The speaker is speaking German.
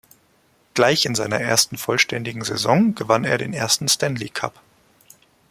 Gleich in seiner ersten vollständigen Saison gewann er den ersten Stanley Cup.